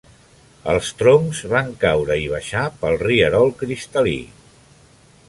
Els troncs van caure i baixar pel rierol cristal·lí.